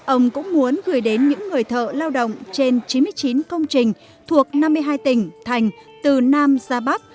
ông cũng muốn gửi đến những người thợ lao động trên chín mươi chín công trình thuộc năm mươi hai tỉnh thành từ nam ra bắc